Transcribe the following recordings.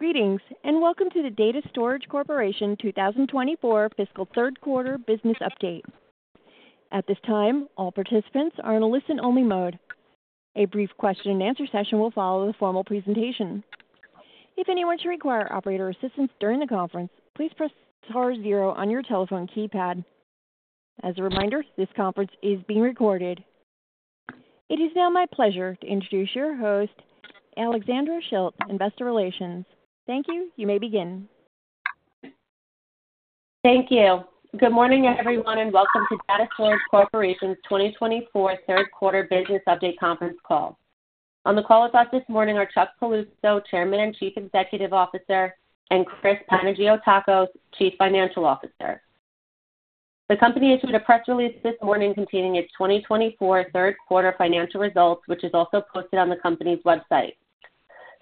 Greetings, and welcome to the Data Storage Corporation 2024 Fiscal Third Quarter Business Update. At this time, all participants are in a listen-only mode. A brief question-and-answer session will follow the formal presentation. If anyone should require operator assistance during the conference, please press star zero on your telephone keypad. As a reminder, this conference is being recorded. It is now my pleasure to introduce your host, Alexandra Schilt, Investor Relations. Thank you. You may begin. Thank you. Good morning, everyone, and welcome to Data Storage Corporation's 2024 Third Quarter Business Update conference call. On the call with us this morning are Chuck Piluso, Chairman and Chief Executive Officer, and Chris Panagiotakos, Chief Financial Officer. The company issued a press release this morning containing its 2024 Third Quarter financial results, which is also posted on the company's website.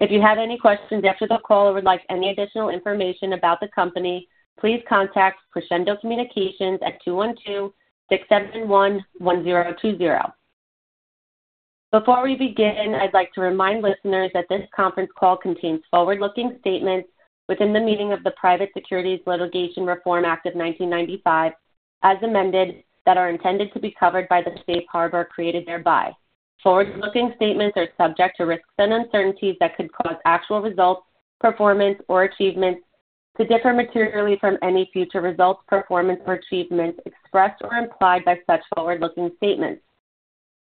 If you have any questions after the call or would like any additional information about the company, please contact Crescendo Communications at 212-671-1020. Before we begin, I'd like to remind listeners that this conference call contains forward-looking statements within the meaning of the Private Securities Litigation Reform Act of 1995, as amended, that are intended to be covered by the safe harbor created thereby. Forward-looking statements are subject to risks and uncertainties that could cause actual results, performance, or achievements to differ materially from any future results, performance, or achievements expressed or implied by such forward-looking statements.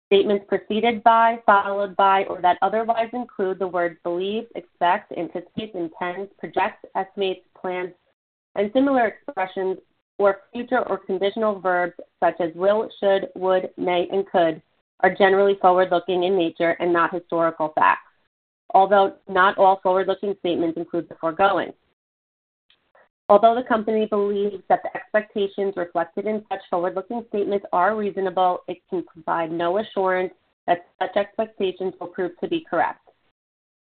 Statements preceded by, followed by, or that otherwise include the words believes, expects, anticipates, intends, projects, estimates, plans, and similar expressions, or future or conditional verbs such as will, should, would, may, and could, are generally forward-looking in nature and not historical facts, although not all forward-looking statements include the foregoing. Although the company believes that the expectations reflected in such forward-looking statements are reasonable, it can provide no assurance that such expectations will prove to be correct.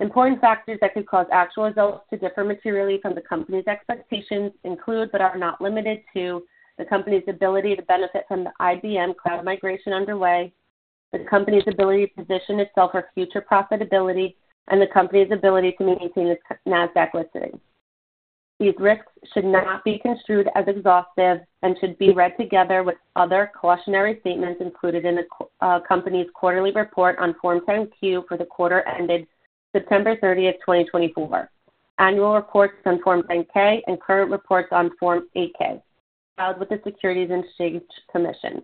Important factors that could cause actual results to differ materially from the company's expectations include, but are not limited to, the company's ability to benefit from the IBM cloud migration underway, the company's ability to position itself for future profitability, and the company's ability to maintain its NASDAQ listing. These risks should not be construed as exhaustive and should be read together with other cautionary statements included in the company's quarterly report on Form 10-Q for the quarter ended September 30, 2024, annual reports on Form 10-K, and current reports on Form 8-K, filed with the Securities and Exchange Commission.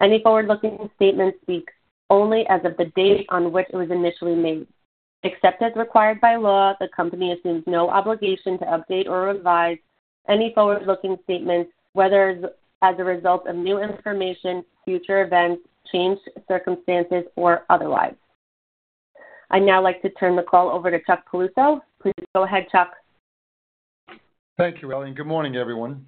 Any forward-looking statements speak only as of the date on which it was initially made. Except as required by law, the company assumes no obligation to update or revise any forward-looking statements, whether as a result of new information, future events, changed circumstances, or otherwise. I'd now like to turn the call over to Chuck Piluso. Please go ahead, Chuck. Thank you, Alexandra. Good morning, everyone.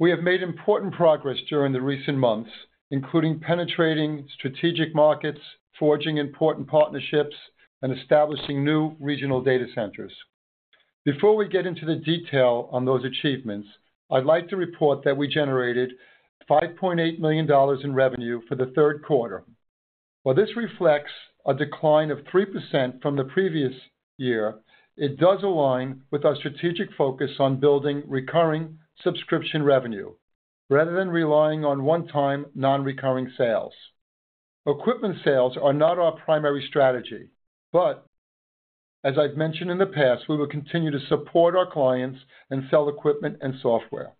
We have made important progress during the recent months, including penetrating strategic markets, forging important partnerships, and establishing new regional data centers. Before we get into the detail on those achievements, I'd like to report that we generated $5.8 million in revenue for the third quarter. While this reflects a decline of 3% from the previous year, it does align with our strategic focus on building recurring subscription revenue rather than relying on one-time non-recurring sales. Equipment sales are not our primary strategy, but, as I've mentioned in the past, we will continue to support our clients and sell equipment and software.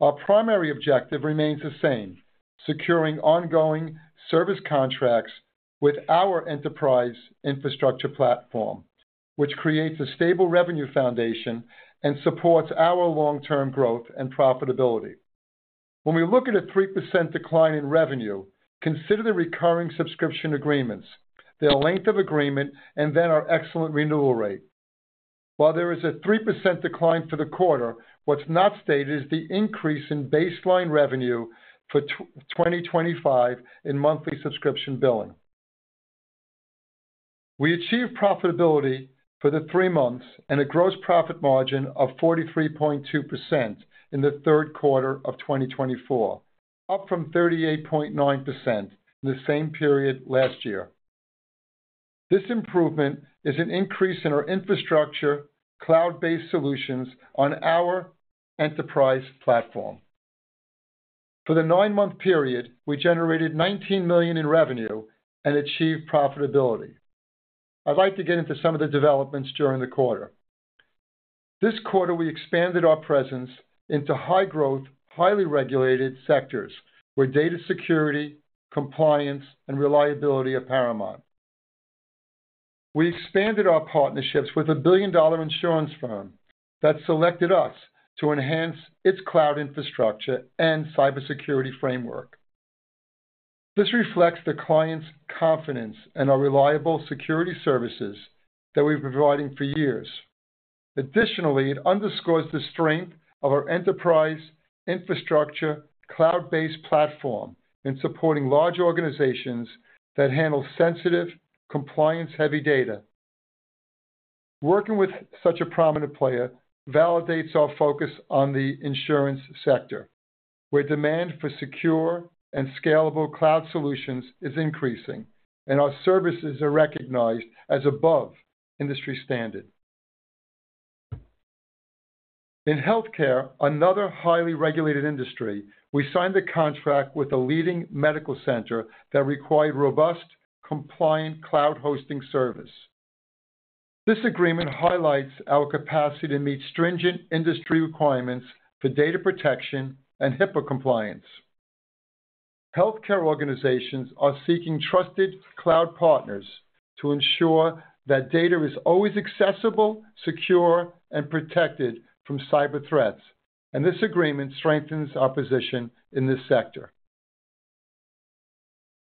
Our primary objective remains the same: securing ongoing service contracts with our enterprise infrastructure platform, which creates a stable revenue foundation and supports our long-term growth and profitability. When we look at a 3% decline in revenue, consider the recurring subscription agreements, their length of agreement, and then our excellent renewal rate. While there is a 3% decline for the quarter, what's not stated is the increase in baseline revenue for 2025 in monthly subscription billing. We achieved profitability for the three months and a gross profit margin of 43.2% in the third quarter of 2024, up from 38.9% in the same period last year. This improvement is an increase in our infrastructure, cloud-based solutions on our enterprise platform. For the nine-month period, we generated $19 million in revenue and achieved profitability. I'd like to get into some of the developments during the quarter. This quarter, we expanded our presence into high-growth, highly regulated sectors where data security, compliance, and reliability are paramount. We expanded our partnerships with a billion-dollar insurance firm that selected us to enhance its cloud infrastructure and cybersecurity framework. This reflects the client's confidence in our reliable security services that we've been providing for years. Additionally, it underscores the strength of our enterprise infrastructure cloud-based platform in supporting large organizations that handle sensitive, compliance-heavy data. Working with such a prominent player validates our focus on the insurance sector, where demand for secure and scalable cloud solutions is increasing, and our services are recognized as above industry standard. In healthcare, another highly regulated industry, we signed the contract with a leading medical center that required robust, compliant cloud hosting service. This agreement highlights our capacity to meet stringent industry requirements for data protection and HIPAA compliance. Healthcare organizations are seeking trusted cloud partners to ensure that data is always accessible, secure, and protected from cyber threats, and this agreement strengthens our position in this sector.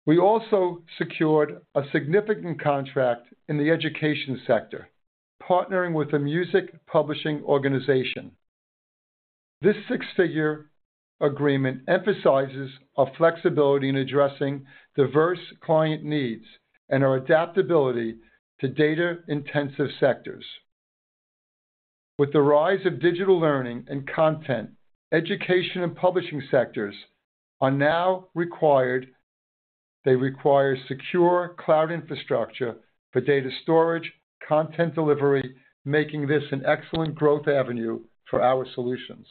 We also secured a significant contract in the education sector, partnering with a music publishing organization. This six-figure agreement emphasizes our flexibility in addressing diverse client needs and our adaptability to data-intensive sectors. With the rise of digital learning and content, education and publishing sectors are now required. They require secure cloud infrastructure for data storage, content delivery, making this an excellent growth avenue for our solutions.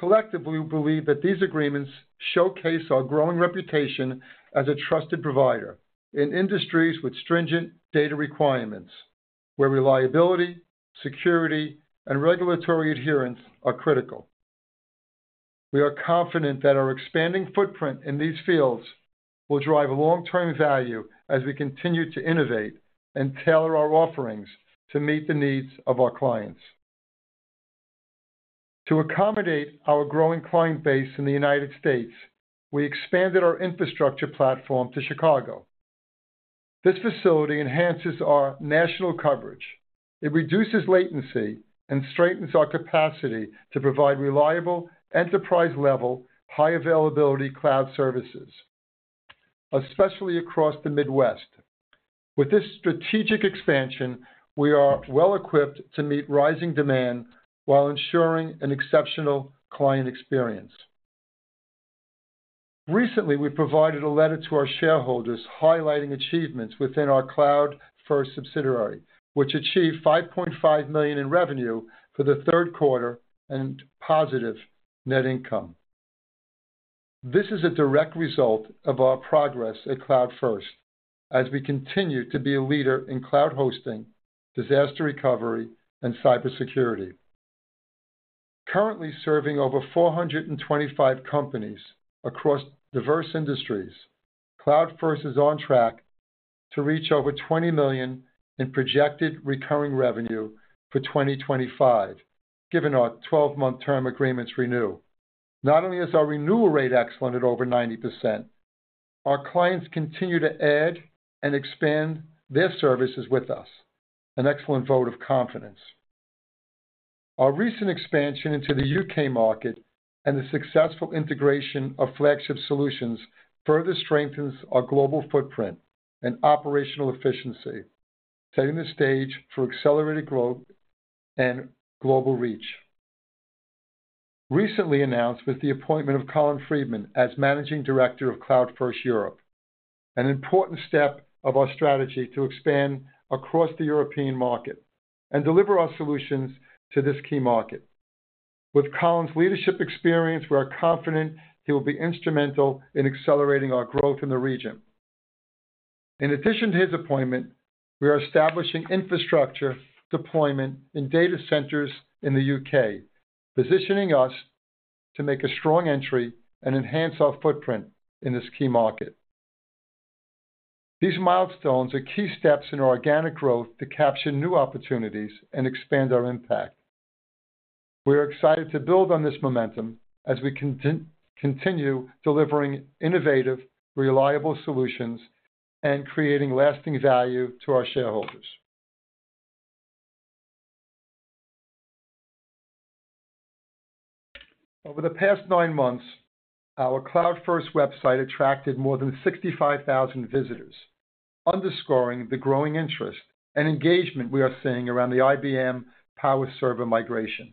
Collectively, we believe that these agreements showcase our growing reputation as a trusted provider in industries with stringent data requirements, where reliability, security, and regulatory adherence are critical. We are confident that our expanding footprint in these fields will drive long-term value as we continue to innovate and tailor our offerings to meet the needs of our clients. To accommodate our growing client base in the United States, we expanded our infrastructure platform to Chicago. This facility enhances our national coverage. It reduces latency and strengthens our capacity to provide reliable enterprise-level, high-availability cloud services, especially across the Midwest. With this strategic expansion, we are well-equipped to meet rising demand while ensuring an exceptional client experience. Recently, we provided a letter to our shareholders highlighting achievements within our CloudFirst subsidiary, which achieved $5.5 million in revenue for the third quarter and positive net income. This is a direct result of our progress at CloudFirst as we continue to be a leader in cloud hosting, disaster recovery, and cybersecurity. Currently serving over 425 companies across diverse industries, CloudFirst is on track to reach over $20 million in projected recurring revenue for 2025, given our 12-month term agreements renew. Not only is our renewal rate excellent at over 90%, our clients continue to add and expand their services with us, an excellent vote of confidence. Our recent expansion into the U.K. market and the successful integration of Flagship Solutions further strengthens our global footprint and operational efficiency, setting the stage for accelerated growth and global reach. Recently announced was the appointment of Colin Freeman as Managing Director of CloudFirst Europe, an important step of our strategy to expand across the European market and deliver our solutions to this key market. With Colin's leadership experience, we are confident he will be instrumental in accelerating our growth in the region. In addition to his appointment, we are establishing infrastructure deployment in data centers in the U.K., positioning us to make a strong entry and enhance our footprint in this key market. These milestones are key steps in our organic growth to capture new opportunities and expand our impact. We are excited to build on this momentum as we continue delivering innovative, reliable solutions and creating lasting value to our shareholders. Over the past nine months, our CloudFirst website attracted more than 65,000 visitors, underscoring the growing interest and engagement we are seeing around the IBM Power server migration.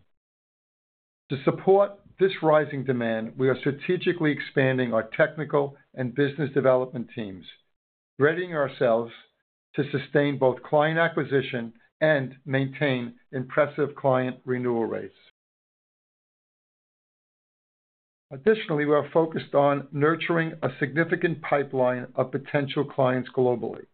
To support this rising demand, we are strategically expanding our technical and business development teams, readying ourselves to sustain both client acquisition and maintain impressive client renewal rates. Additionally, we are focused on nurturing a significant pipeline of potential clients globally.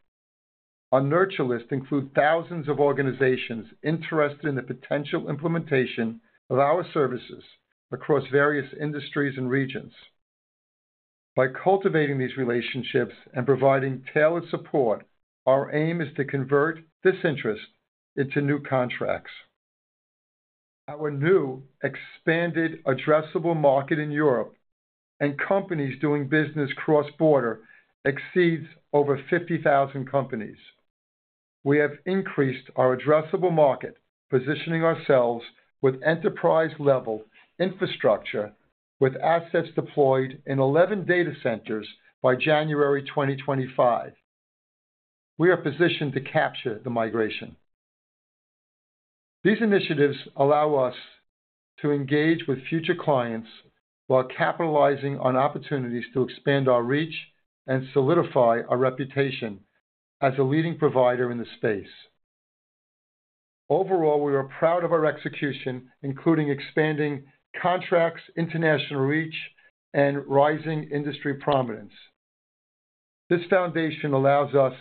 Our nurture list includes thousands of organizations interested in the potential implementation of our services across various industries and regions. By cultivating these relationships and providing tailored support, our aim is to convert this interest into new contracts. Our new expanded addressable market in Europe and companies doing business cross-border exceeds over 50,000 companies. We have increased our addressable market, positioning ourselves with enterprise-level infrastructure with assets deployed in 11 data centers by January 2025. We are positioned to capture the migration. These initiatives allow us to engage with future clients while capitalizing on opportunities to expand our reach and solidify our reputation as a leading provider in the space. Overall, we are proud of our execution, including expanding contracts, international reach, and rising industry prominence. This foundation allows us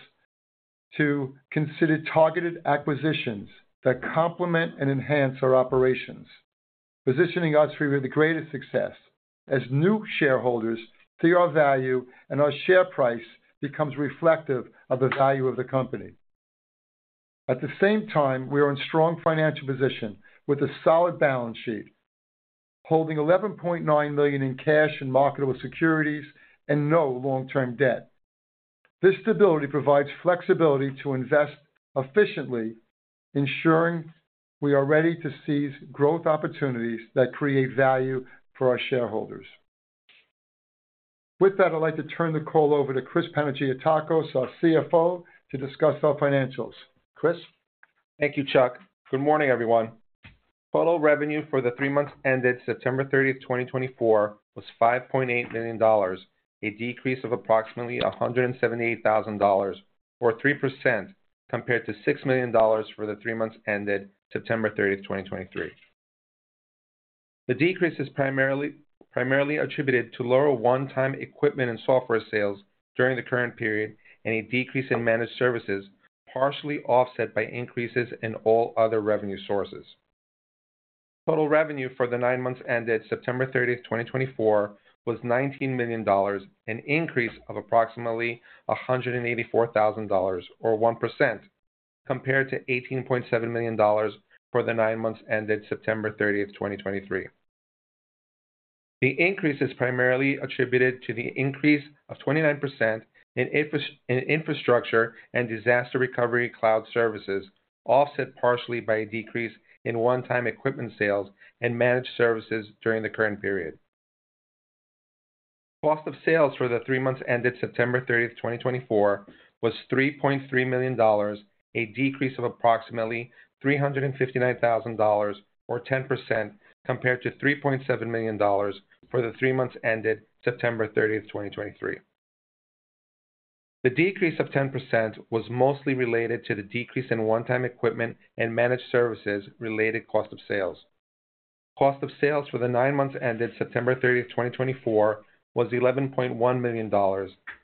to consider targeted acquisitions that complement and enhance our operations, positioning us for the greatest success as new shareholders through our value, and our share price becomes reflective of the value of the company. At the same time, we are in a strong financial position with a solid balance sheet, holding $11.9 million in cash and marketable securities and no long-term debt. This stability provides flexibility to invest efficiently, ensuring we are ready to seize growth opportunities that create value for our shareholders. With that, I'd like to turn the call over to Chris Panagiotakos, our CFO, to discuss our financials. Chris. Thank you, Chuck. Good morning, everyone. Total revenue for the three months ended September 30, 2024, was $5.8 million, a decrease of approximately $178,000 or 3% compared to $6 million for the three months ended September 30, 2023. The decrease is primarily attributed to lower one-time equipment and software sales during the current period and a decrease in managed services, partially offset by increases in all other revenue sources. Total revenue for the nine months ended September 30, 2024, was $19 million, an increase of approximately $184,000 or 1% compared to $18.7 million for the nine months ended September 30, 2023. The increase is primarily attributed to the increase of 29% in infrastructure and disaster recovery cloud services, offset partially by a decrease in one-time equipment sales and managed services during the current period. Cost of sales for the three months ended September 30, 2024, was $3.3 million, a decrease of approximately $359,000 or 10% compared to $3.7 million for the three months ended September 30, 2023. The decrease of 10% was mostly related to the decrease in one-time equipment and managed services-related cost of sales. Cost of sales for the nine months ended September 30, 2024, was $11.1 million,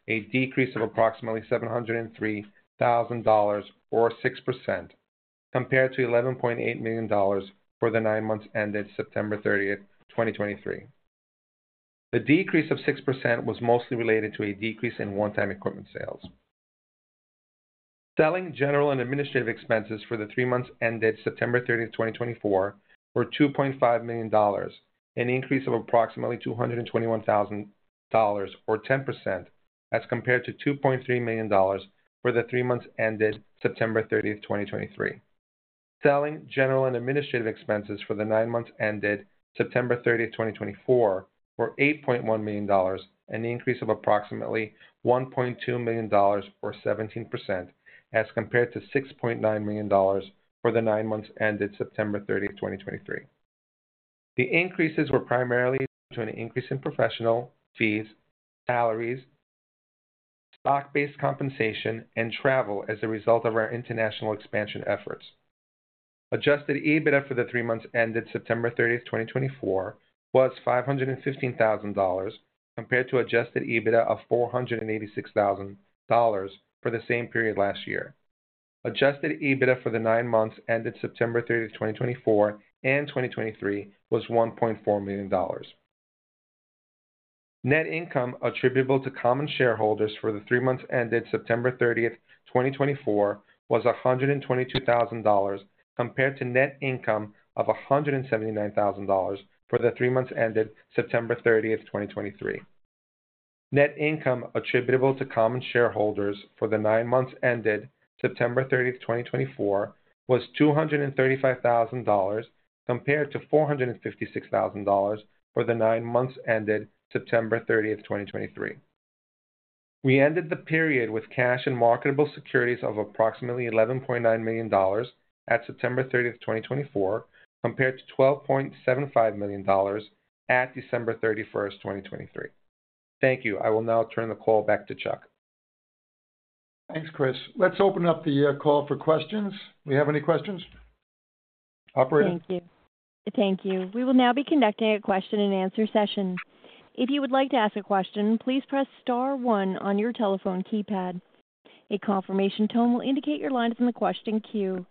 a decrease of approximately $703,000 or 6% compared to $11.8 million for the nine months ended September 30, 2023. The decrease of 6% was mostly related to a decrease in one-time equipment sales. Selling, general and administrative expenses for the three months ended September 30, 2024, were $2.5 million, an increase of approximately $221,000 or 10% as compared to $2.3 million for the three months ended September 30, 2023. Selling general and administrative expenses for the nine months ended September 30, 2024, were $8.1 million, an increase of approximately $1.2 million or 17% as compared to $6.9 million for the nine months ended September 30, 2023. The increases were primarily due to an increase in professional fees, salaries, stock-based compensation, and travel as a result of our international expansion efforts. Adjusted EBITDA for the three months ended September 30, 2024, was $515,000 compared to adjusted EBITDA of $486,000 for the same period last year. Adjusted EBITDA for the nine months ended September 30, 2024, and 2023, was $1.4 million. Net income attributable to common shareholders for the three months ended September 30, 2024, was $122,000 compared to net income of $179,000 for the three months ended September 30, 2023. Net income attributable to common shareholders for the nine months ended September 30, 2024, was $235,000 compared to $456,000 for the nine months ended September 30, 2023. We ended the period with cash and marketable securities of approximately $11.9 million at September 30, 2024, compared to $12.75 million at December 31, 2023. Thank you. I will now turn the call back to Chuck. Thanks, Chris. Let's open up the call for questions. Do we have any questions? Operator? Thank you. Thank you. We will now be conducting a question-and-answer session. If you would like to ask a question, please press star one on your telephone keypad. A confirmation tone will indicate your line is in the question queue.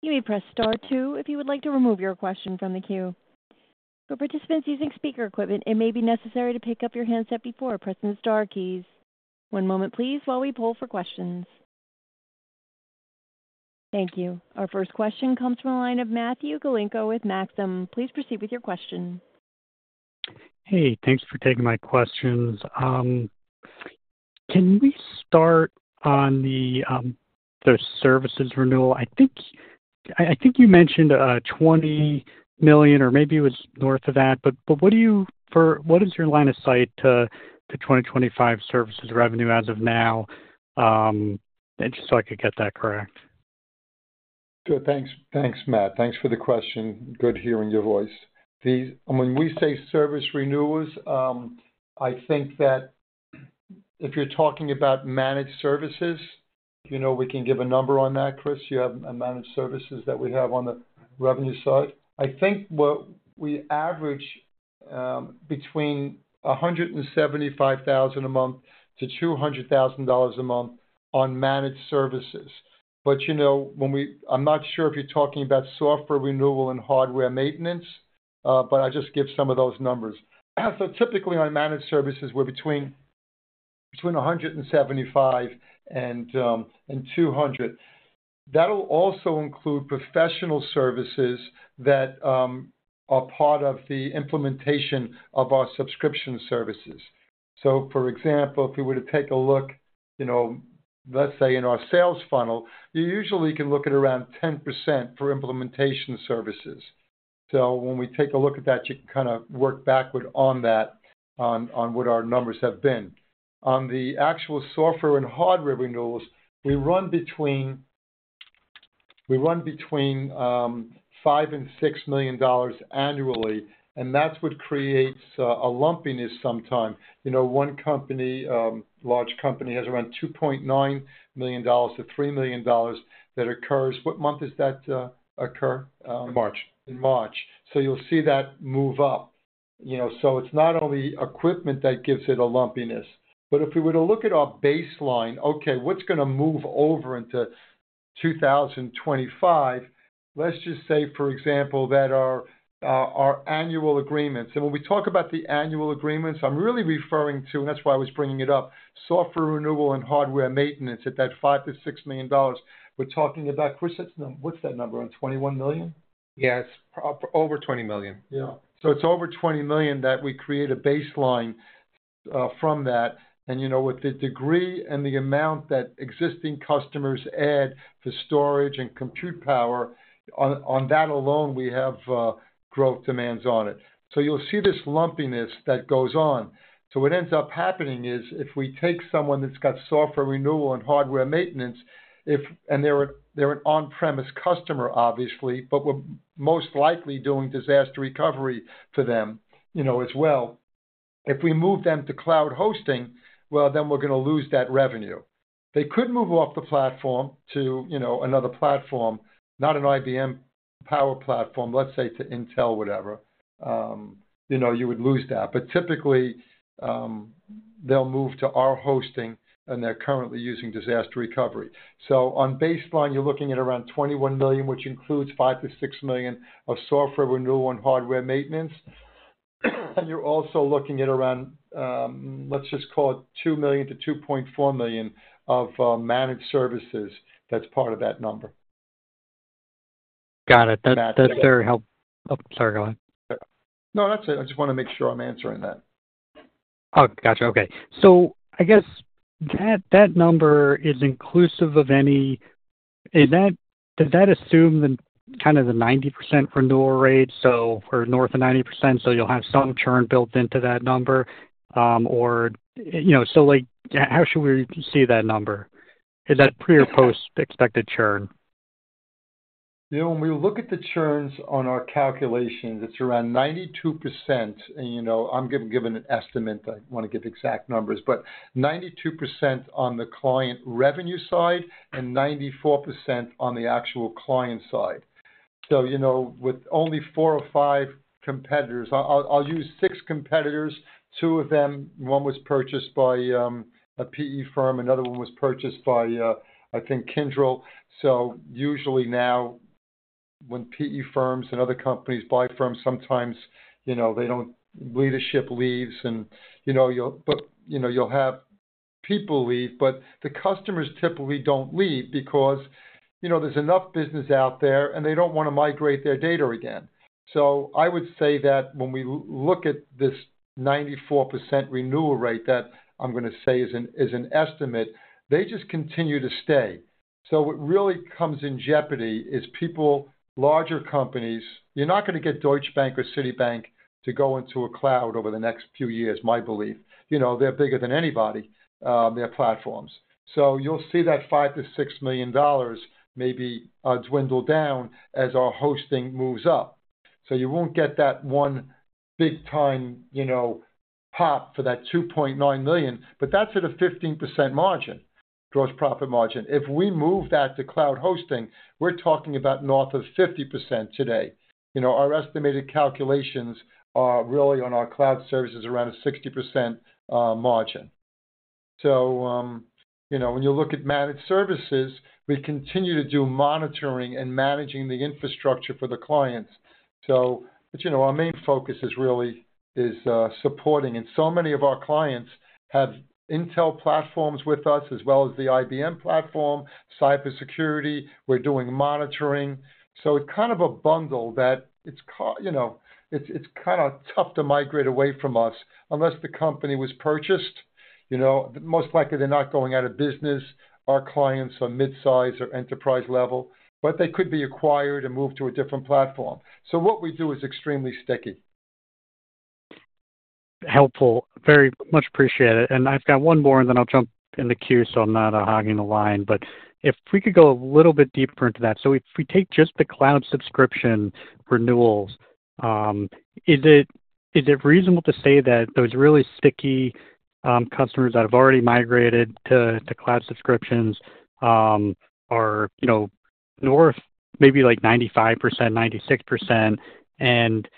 You may press star two if you would like to remove your question from the queue. For participants using speaker equipment, it may be necessary to pick up your handset before pressing the Star keys. One moment, please, while we pull for questions. Thank you. Our first question comes from a line of Matthew Galinko with Maxim. Please proceed with your question. Hey, thanks for taking my questions. Can we start on the services renewal? I think you mentioned $20 million or maybe it was north of that, but what is your line of sight to 2025 services revenue as of now? Just so I could get that correct. Good. Thanks, Matt. Thanks for the question. Good hearing your voice. When we say service renewals, I think that if you're talking about managed services, we can give a number on that, Chris. You have managed services that we have on the revenue side. I think we average between $175,000-$200,000 a month on managed services. But I'm not sure if you're talking about software renewal and hardware maintenance, but I'll just give some of those numbers, so typically, on managed services, we're between $175,000 and $200,000. That'll also include professional services that are part of the implementation of our subscription services, so for example, if we were to take a look, let's say, in our sales funnel, you usually can look at around 10% for implementation services. So when we take a look at that, you can kind of work backward on that, on what our numbers have been. On the actual software and hardware renewals, we run between $5-$6 million annually, and that's what creates a lumpiness sometimes. One large company has around $2.9-$3 million that occurs. What month does that occur? March. In March. So you'll see that move up. So it's not only equipment that gives it a lumpiness. But if we were to look at our baseline, okay, what's going to move over into 2025? Let's just say, for example, that our annual agreements, and when we talk about the annual agreements, I'm really referring to, and that's why I was bringing it up, software renewal and hardware maintenance at that $5-$6 million. We're talking about, Chris, what's that number? On $21 million? Yes, over $20 million. Yeah. So it's over $20 million that we create a baseline from that. And with the degree and the amount that existing customers add for storage and compute power, on that alone, we have growth demands on it. So you'll see this lumpiness that goes on. So what ends up happening is if we take someone that's got software renewal and hardware maintenance, and they're an on-premise customer, obviously, but we're most likely doing disaster recovery for them as well. If we move them to cloud hosting, well, then we're going to lose that revenue. They could move off the platform to another platform, not an IBM Power platform, let's say, to Intel, whatever. You would lose that. But typically, they'll move to our hosting, and they're currently using disaster recovery. On baseline, you're looking at around $21 million, which includes $5-$6 million of software renewal and hardware maintenance. You're also looking at around, let's just call it $2-$2.4 million of managed services that's part of that number. Got it. That's very helpful. Sorry, go ahead. No, that's it. I just want to make sure I'm answering that. Oh, gotcha. Okay. So I guess that number is inclusive of any, does that assume kind of the 90% renewal rate or north of 90%? So you'll have some churn built into that number? Or so how should we see that number? Is that pre or post-expected churn? Yeah. When we look at the churns on our calculations, it's around 92%. I'm given an estimate. I don't want to give exact numbers, but 92% on the client revenue side and 94% on the actual client side. So with only four or five competitors. I'll use six competitors. Two of them, one was purchased by a PE firm. Another one was purchased by, I think, Kyndryl. So usually now, when PE firms and other companies buy firms, sometimes leadership leaves, but you'll have people leave. But the customers typically don't leave because there's enough business out there, and they don't want to migrate their data again. So I would say that when we look at this 94% renewal rate that I'm going to say is an estimate, they just continue to stay. So what really comes in jeopardy is people, larger companies, you're not going to get Deutsche Bank or Citibank to go into a cloud over the next few years, my belief. They're bigger than anybody, their platforms. So you'll see that $5-$6 million maybe dwindle down as our hosting moves up. So you won't get that one big-time pop for that $2.9 million, but that's at a 15% margin, gross profit margin. If we move that to cloud hosting, we're talking about north of 50% today. Our estimated calculations are really on our cloud services around a 60% margin. So when you look at managed services, we continue to do monitoring and managing the infrastructure for the clients. But our main focus is really supporting. And so many of our clients have Intel platforms with us as well as the IBM platform, cybersecurity. We're doing monitoring. So it's kind of a bundle that it's kind of tough to migrate away from us unless the company was purchased. Most likely, they're not going out of business. Our clients are midsize or enterprise level, but they could be acquired and moved to a different platform. So what we do is extremely sticky. Helpful. Very much appreciate it. And I've got one more, and then I'll jump in the queue so I'm not hogging the line. But if we could go a little bit deeper into that. So if we take just the cloud subscription renewals, is it reasonable to say that those really sticky customers that have already migrated to cloud subscriptions are north, maybe like 95%, 96%? And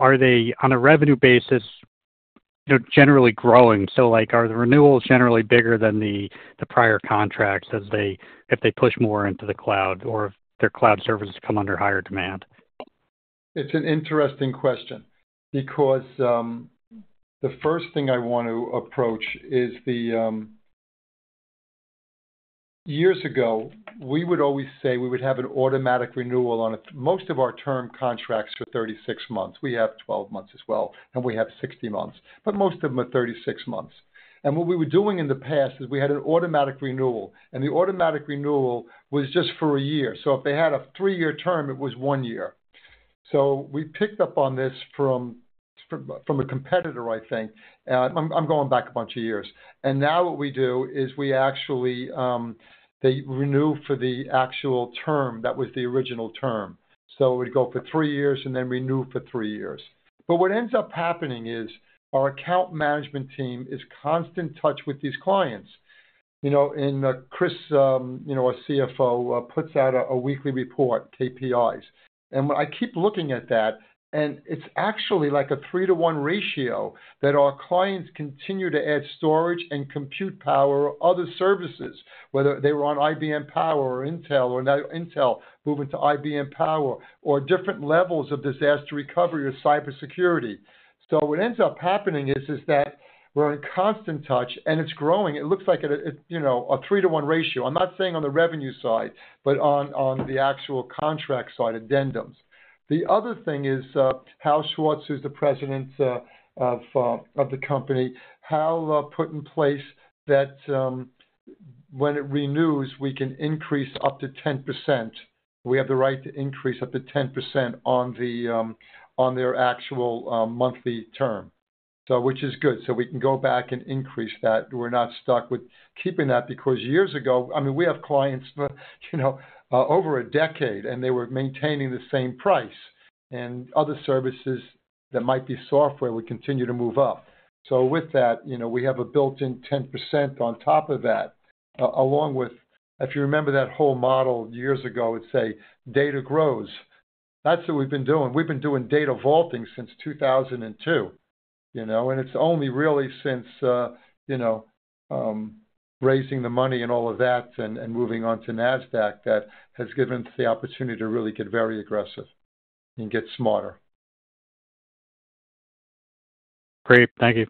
are they, on a revenue basis, generally growing? So are the renewals generally bigger than the prior contracts if they push more into the cloud or if their cloud services come under higher demand? It's an interesting question because the first thing I want to approach is, years ago, we would always say we would have an automatic renewal on most of our term contracts for 36 months. We have 12 months as well, and we have 60 months. But most of them are 36 months, and what we were doing in the past is we had an automatic renewal, and the automatic renewal was just for a year. So if they had a three-year term, it was one year, so we picked up on this from a competitor, I think. I'm going back a bunch of years, and now what we do is we actually renew for the actual term that was the original term, so we'd go for three years and then renew for three years. But what ends up happening is our account management team is in constant touch with these clients. And Chris, our CFO, puts out a weekly report, KPIs. And I keep looking at that, and it's actually like a three-to-one ratio that our clients continue to add storage and compute power or other services, whether they were on IBM Power or Intel or now Intel moving to IBM Power or different levels of disaster recovery or cybersecurity. So what ends up happening is that we're in constant touch, and it's growing. It looks like a three-to-one ratio. I'm not saying on the revenue side, but on the actual contract side, addendums. The other thing is Hal Schwartz, who's the president of the company, Hal put in place that when it renews, we can increase up to 10%. We have the right to increase up to 10% on their actual monthly term, which is good, so we can go back and increase that. We're not stuck with keeping that because years ago, I mean, we have clients over a decade, and they were maintaining the same price, and other services that might be software would continue to move up. So with that, we have a built-in 10% on top of that, along with, if you remember that whole model years ago, it's as data grows. That's what we've been doing. We've been doing data vaulting since 2002, and it's only really since raising the money and all of that and moving on to NASDAQ that has given us the opportunity to really get very aggressive and get smarter. Great. Thank you.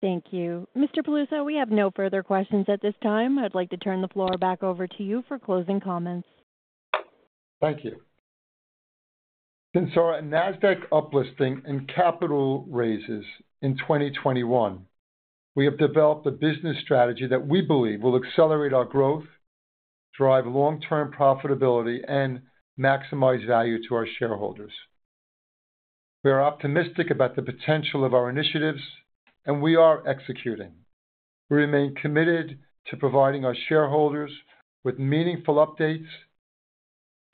Thank you. Mr. Piluso, we have no further questions at this time. I'd like to turn the floor back over to you for closing comments. Thank you. Since our NASDAQ uplisting and capital raises in 2021, we have developed a business strategy that we believe will accelerate our growth, drive long-term profitability, and maximize value to our shareholders. We are optimistic about the potential of our initiatives, and we are executing. We remain committed to providing our shareholders with meaningful updates.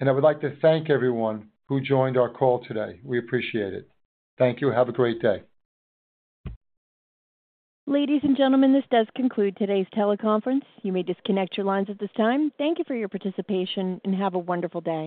And I would like to thank everyone who joined our call today. We appreciate it. Thank you. Have a great day. Ladies and gentlemen, this does conclude today's teleconference. You may disconnect your lines at this time. Thank you for your participation, and have a wonderful day.